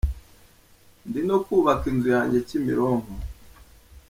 Ndi no kubaka inzu yanjye Kimironko.